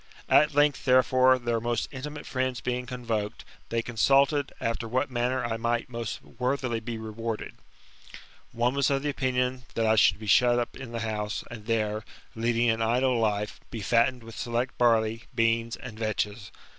At length, therefore, their most intimate friends being convoked, they consulted after what manner I might most worthily be rewarded. One was of opinioD that I should be shut up in the house, and there, leading an idle life, be fattened with select barley, beans, and vetches.